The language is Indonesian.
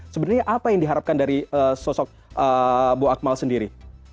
sebenarnya apa yang diharapkan dari sosok bu akmal sendiri